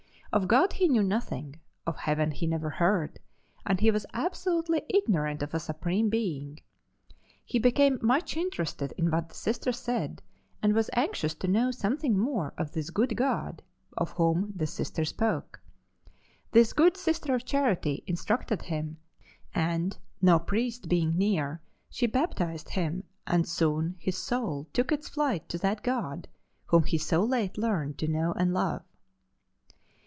Of God he knew nothing, of heaven he never heard, and he was absolutely ignorant of a Supreme Being. He became much interested in what the Sister said and was anxious to know something more of this good God of whom the Sister spoke. This good Sister of Charity instructed him, and, no priest being near, she baptized him and soon his soul took its flight to that God whom he so late learned to know and love.